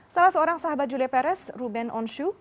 salah seorang sahabat julia peres ruben onshu